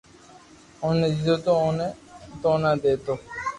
اوني ديتو تو اوني تونا ديتو